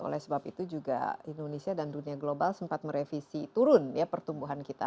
oleh sebab itu juga indonesia dan dunia global sempat merevisi turun ya pertumbuhan kita